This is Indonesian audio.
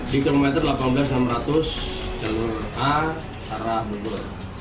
di kilometer delapan belas enam ratus jalur a arah bogor